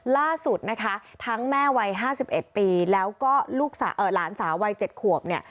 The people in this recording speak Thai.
ล่าสุดนะคะทั้งแม่วัย๕๑ปีแล้วก็ลูกหลานสาววัย๗ขวบเนี่ย